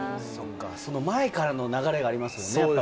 その前からの流れがありますもんね。